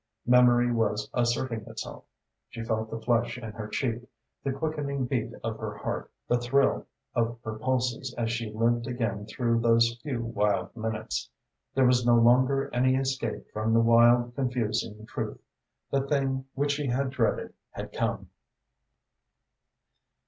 Memory was asserting itself. She felt the flush in her cheek, the quickening heat of her heart, the thrill of her pulses as she lived again through those few wild minutes. There was no longer any escape from the wild, confusing truth. The thing which she had dreaded had come.